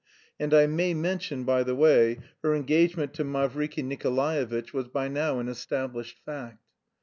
And I may mention, by the way, her engagement to Mavriky Nikolaevitch was by now an established fact.